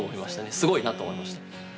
すごいなと思いました。